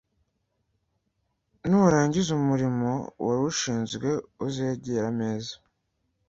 Nurangiza umurimo wari ushinzwe, uzegere ameza